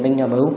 bên nhà bữa